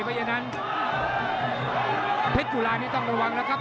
เพราะฉะนั้นเพชรจุลานี่ต้องระวังแล้วครับ